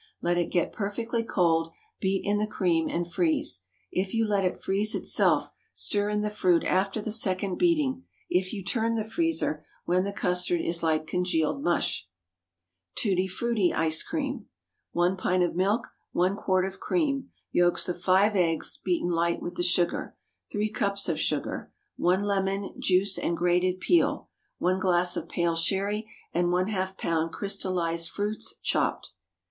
Let it get perfectly cold, beat in the cream and freeze. If you let it freeze itself, stir in the fruit after the second beating; if you turn the freezer, when the custard is like congealed mush. TUTTI FRUTTI ICE CREAM. ✠ 1 pint of milk. 1 quart of cream. Yolks of 5 eggs—beaten light with the sugar. 3 cups of sugar. 1 lemon—juice and grated peel. 1 glass of pale Sherry, and ½ lb. crystallized fruits, chopped.